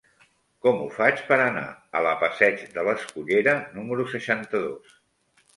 Com ho faig per anar a la passeig de l'Escullera número seixanta-dos?